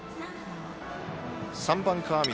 ３番、川満。